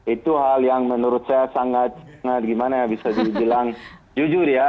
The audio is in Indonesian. itu hal yang menurut saya sangat gimana ya bisa dibilang jujur ya